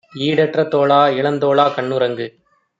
ஈடற்ற தோளா, இளந்தோளா, கண்ணுறங்கு!